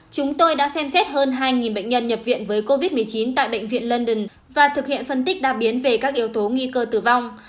chúng tôi đã xem xét hơn hai bệnh nhân nhập viện với covid một mươi chín tại bệnh viện london và thực hiện phân tích đa biến về các yếu tố nguy cơ tử vong